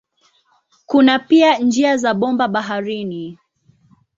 Kuna pia njia za bomba baharini.